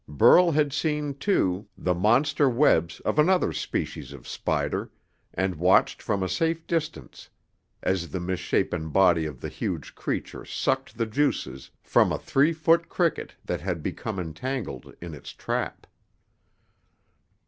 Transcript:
Burl had seen, too, the monster webs of another species of spider, and watched from a safe distance as the misshapen body of the huge creature sucked the juices from a three foot cricket that had become entangled in its trap.